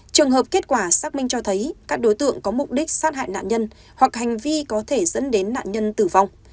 trường hợp kết quả xác minh cho thấy các đối tượng có mục đích sát hại nạn nhân hoặc hành vi có thể dẫn đến nạn nhân tử vong